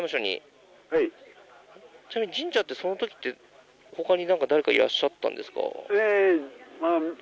神社ってその時ほかに誰かいらっしゃったんですか？